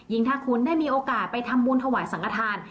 ถ้าคุณได้มีโอกาสไปทำบุญถวายสังขทาน